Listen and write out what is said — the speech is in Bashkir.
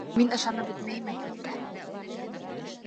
Мин ышанып бөтмәйем, әлбиттә.